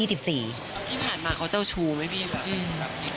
ที่ผ่านมาเขาเจ้าชู้ไหมพี่แบบ